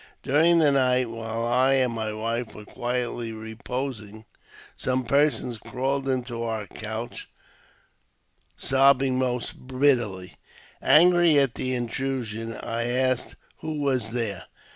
During the night, while I and my wife were quietly reposing, some person crawled into our couch, sobbing most bitterly. Angry at the intrusion, I asked who was there.